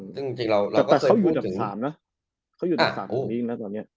แต่เขาอยู่ดับ๓นะ